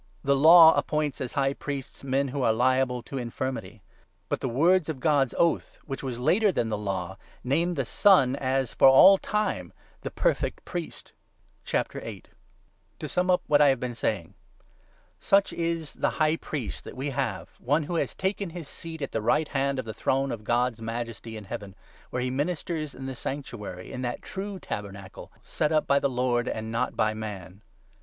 The Law appoints as High 28 Priests men who are liable to infirmity ; but the words of God's oath, which was later than the Law, name the Son as, for all time, the perfect Priest. 11—38 pg. no. 4; a. 7. HEBREWS, 8. 439 su erior ^° sum UP wnat I have been saying :— Such is i } to the the High Priest that we have, one who ' has taken Leviticai his seat at the right hand ' of the throne of God's '" Majesty in Heaven, where he ministers in the 2 Sanctuary, in that true Tabernacle set up by the Lord and not by man.